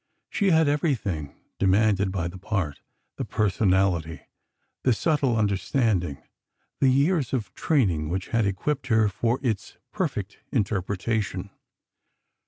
She had everything demanded by the part: the personality, the subtle understanding, the years of training which had equipped her for its perfect interpretation.